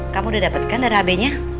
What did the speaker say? kamu udah dapet kan darah ab nya